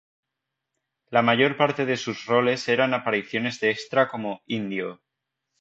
La mayor parte de sus roles eran apariciones de extra como 'indio'.